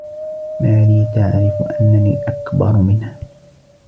ماري تعرف أنني أكبر منها.